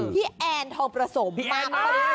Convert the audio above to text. พี่แอนทอประสมมาก